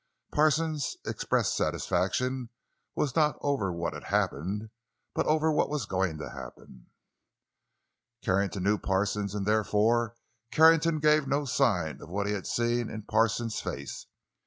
Parsons' expressed satisfaction was not over what had happened, but over what was going to happen. Carrington knew Parsons, and therefore Carrington gave no sign of what he had seen in Parsons' face.